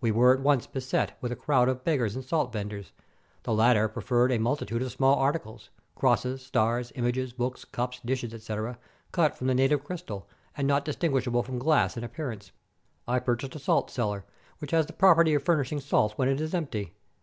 We were at once beset with a crowd of beggars and salt venders. The latter proffered a multitude of small articles, — crosses, stars, images, books, cups, dishes, etc., — cut from the native crystal, and not distinguishable from glass in appear ance. I purchased a salt cellar, which has the property of furnishing salt when it is empty.